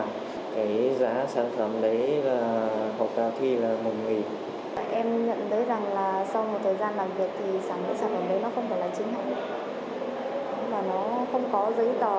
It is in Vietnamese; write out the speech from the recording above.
em nhận thức được rằng là cái sản phẩm đấy nó không đạt